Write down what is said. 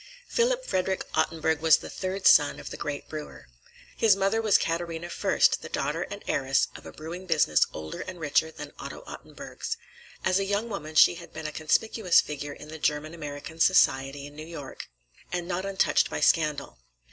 Philip Frederick Ottenburg was the third son of the great brewer. His mother was Katarina Fürst, the daughter and heiress of a brewing business older and richer than Otto Ottenburg's. As a young woman she had been a conspicuous figure in German American society in New York, and not untouched by scandal.